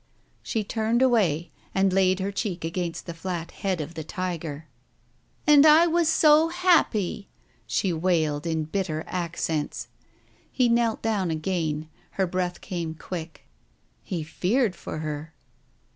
She turned away, and laid her cheek against the flat head of the tiger. "And I was so happy !" she wailed, in bitter accents. He knelt down again. Her breath came quick. He feared for her.